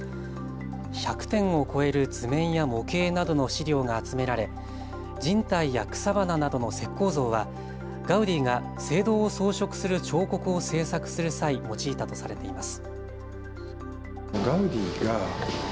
１００点を超える図面や模型などの資料が集められ人体や草花などの石こう像はガウディが聖堂を装飾する彫刻を制作する際用いたとされています。